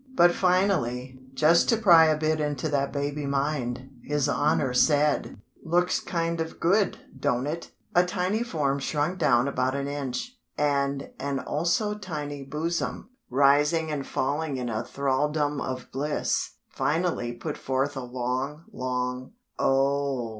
But, finally, just to pry a bit into that baby mind, His Honor said: "Looks kind of good, don't it?" A tiny form shrunk down about an inch; and an also tiny bosom, rising and falling in a thralldom of bliss, finally put forth a long, long, "_O h h h h!!